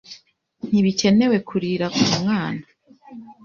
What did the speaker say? Ntibikenewe kurira nkumwana.